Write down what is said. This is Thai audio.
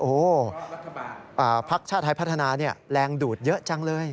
โอ้โหพักชาติไทยพัฒนาแรงดูดเยอะจังเลย